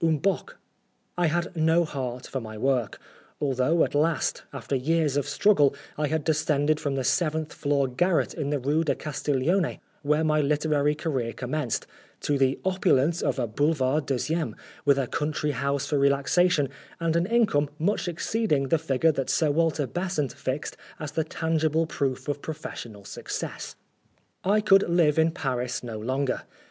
Un Bock." I had no heart for my work, although at last, after years of struggle, I had descended from the seventh floor garret in the Rue de Castiglione, where my literary carrer commenced, to the opul ence of a boulevard deuxieme, with a country house for relaxation, and an income 195 Oscar Wilde much exceeding the figure that Sir Walter Besant fixed as the tangible proof of pro fessional success. I could live in Paris no longer.